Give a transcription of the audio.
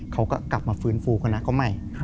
เขาก็กลับมาฟื้นฟูคณะเขาใหม่